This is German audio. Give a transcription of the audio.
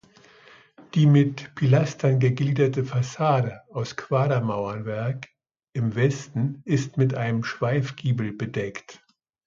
Die mit Pilastern gegliederte Fassade aus Quadermauerwerk im Westen ist mit einem Schweifgiebel bedeckt.